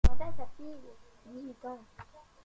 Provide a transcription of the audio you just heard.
Quant à sa fille… dix-huit ans…